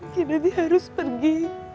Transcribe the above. kinanti harus pergi